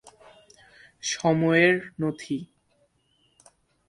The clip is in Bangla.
সময়ের নথি।